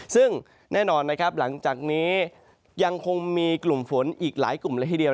ซึ่งแน่นอนนะครับหลังจากนี้ยังคงมีกลุ่มฝนอีกหลายกลุ่มเลยทีเดียว